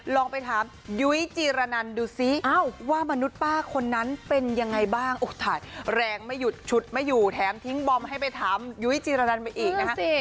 ลองไปถามยุ้ยจีรนันดูซิว่ามนุษย์ป้าคนนั้นเป็นยังไงบ้างอกถาดแรงไม่หยุดฉุดไม่อยู่แถมทิ้งบอมให้ไปถามยุ้ยจีรนันไปอีกนะคะ